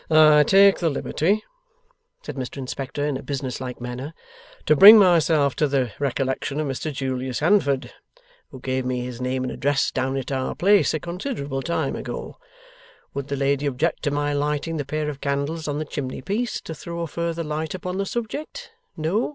'I take the liberty,' said Mr Inspector, in a business like manner, 'to bring myself to the recollection of Mr Julius Handford, who gave me his name and address down at our place a considerable time ago. Would the lady object to my lighting the pair of candles on the chimneypiece, to throw a further light upon the subject? No?